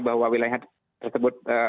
bahwa wilayah tersebut